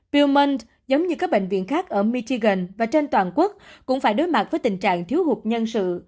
viewman giống như các bệnh viện khác ở michigan và trên toàn quốc cũng phải đối mặt với tình trạng thiếu hụt nhân sự